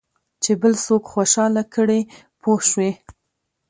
چې بل څوک خوشاله کړې پوه شوې!.